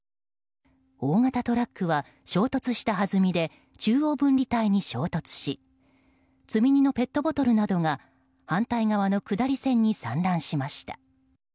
大型トラックは衝突したはずみで中央分離帯に衝突し積み荷のペットボトルなどが反対側の下り線に散乱しました。